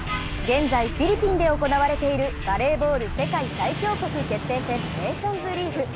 現在、フィリピンで行われているバレーボール世界最強国決定戦ネーションズリーグ。